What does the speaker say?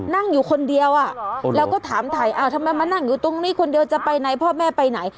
นั่งอยู่คนเดียวแล้วก็ถามถ่ายทำไมมานั่งอยู่ตรงนี้คนเดียวจะไปไหนพ่อแม่ไปไหน